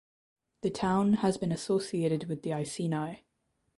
The town has been associated with the Iceni.